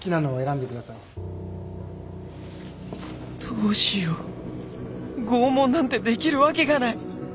どうしよう拷問なんてできるわけがない